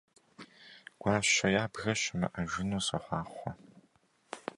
Гуащэ ябгэ щымыӀэжыну сохъуахъуэ!